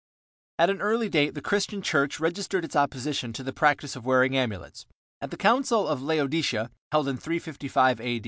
] At an early date the Christian Church registered its opposition to the practice of wearing amulets. At the Council of Laodicea, held in 355 A.